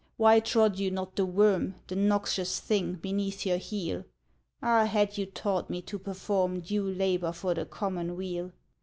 why trod you not the worm, The noxious thing, beneath your heel? Ah! had you taught me to perform Due labor for the common weal!